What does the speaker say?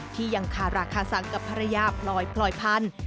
ที่ยังคาราคาสังกับภรรยาพลอยพลอยพันธุ์